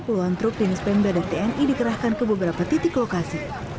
puluhan truk jenis pemda dan tni dikerahkan ke beberapa titik lokasi